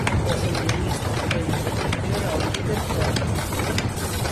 Os unionistas veñen de conter ao líder Corme.